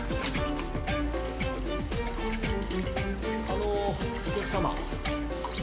あのーお客様。